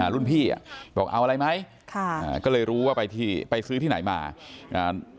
รุ่นพี่อ่ะบอกเอาอะไรไหมค่ะอ่าก็เลยรู้ว่าไปที่ไปซื้อที่ไหนมาอ่า